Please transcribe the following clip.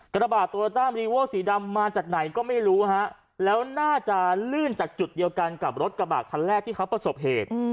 กระบาดโตโยต้ามรีโว้สีดำมาจากไหนก็ไม่รู้ฮะแล้วน่าจะลื่นจากจุดเดียวกันกับรถกระบะคันแรกที่เขาประสบเหตุ